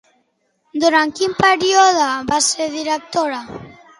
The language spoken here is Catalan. Durant quin període va ser directora?